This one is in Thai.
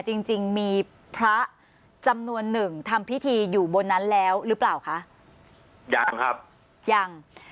จริงจริงมีพระจำนวนหนึ่งทำพิธีอยู่บนนั้นแล้วหรือเปล่าคะยังครับยัง